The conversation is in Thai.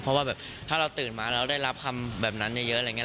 เพราะว่าแบบถ้าเราตื่นมาเราได้รับคำแบบนั้นเยอะอะไรอย่างนี้